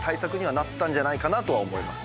んじゃないかなとは思います。